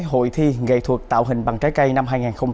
hội thi nghệ thuật tạo hình bằng trái cây năm hai nghìn hai mươi